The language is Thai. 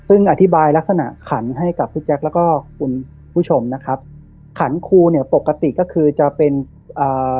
ซึ่งอธิบายลักษณะขันให้กับพี่แจ๊คแล้วก็คุณผู้ชมนะครับขันครูเนี่ยปกติก็คือจะเป็นอ่า